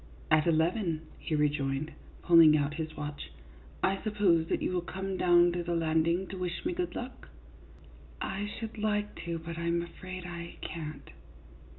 " At eleven," he rejoined, pulling out his watch. " I suppose that you will come down to the landing to wish me good luck? "" I should like to, but I 'm afraid I can't."